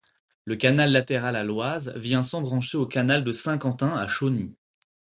Le canal latéral à l’Oise vient s'embrancher au canal de Saint-Quentin à Chauny.